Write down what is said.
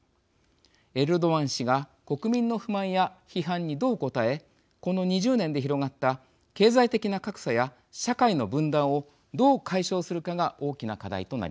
エルドアン氏が国民の不満や批判にどう答えこの２０年で広がった経済的な格差や社会の分断をどう解消するかが大きな課題となります。